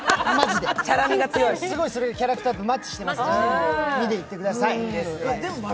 すごいキャラクターとマッチしてますので、見に行ってください！